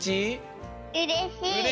うれしい！